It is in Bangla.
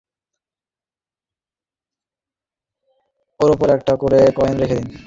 কিশোর টেন্ডুলকার অনুশীলনের সময় স্টাম্পের ওপর একটা করে কয়েন রেখে দিতেন আচরেকার।